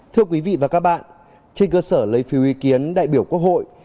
thưa quý vị và các bạn trên cơ sở lấy phiếu ý kiến đại biểu quốc hội